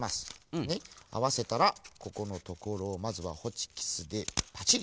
あわせたらここのところをまずはホチキスでパチリ。